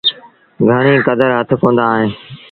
گھڻي ڪدر هٿ ڪوندآ ّئيٚن۔